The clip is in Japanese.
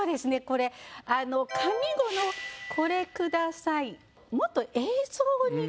これ上五の「これください」